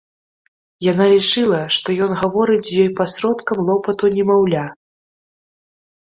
Яна лічыла, што ён гаворыць з ёй пасродкам лопату немаўля.